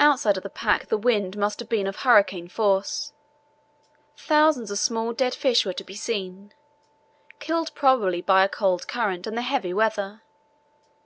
Outside of the pack the wind must have been of hurricane force. Thousands of small dead fish were to be seen, killed probably by a cold current and the heavy weather.